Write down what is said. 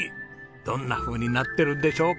どんなふうになってるんでしょうか？